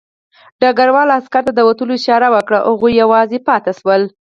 ډګروال عسکر ته د وتلو اشاره وکړه او هغوی یوازې پاتې شول